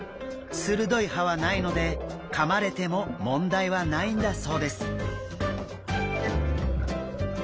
鋭い歯はないのでかまれても問題はないんだそうです。